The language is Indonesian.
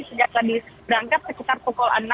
sejak tadi berangkat sekitar pukul enam